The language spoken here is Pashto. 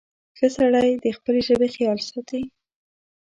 • ښه سړی د خپلې ژبې خیال ساتي.